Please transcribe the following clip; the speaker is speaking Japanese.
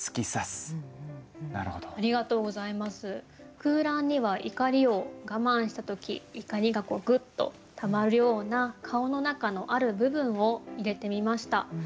空欄には怒りを我慢した時怒りがグッとたまるような顔の中のある部分を入れてみました。